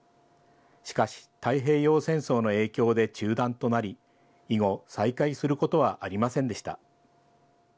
しかし、太平洋戦争の影響で中断となり、以後、再開することはありませんでした。